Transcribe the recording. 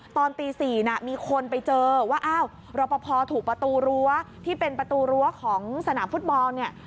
ตอนตี๔น่ะมีคนไปเจอว่าอ้าวรอปภถูกประตูรั้วที่เป็นประตูรั้วของสนามฟุตบอลเนี่ย